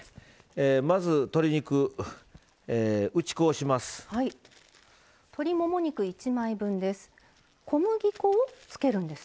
まず鶏肉、打ち粉をします。